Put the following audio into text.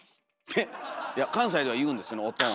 フッいや関西では言うんですよおとん。